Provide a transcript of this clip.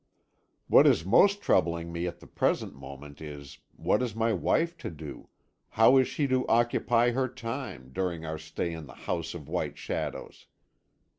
"What is most troubling me at the present moment is what is my wife to do, how is she to occupy her time, during our stay in the House of White Shadows?